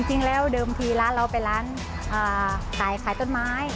จริงแล้วเดิมทีร้านเราเป็นร้านขายต้นไม้